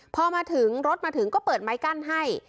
พอมาถึงรถมาถึงก็เปิดไม้กั้นให้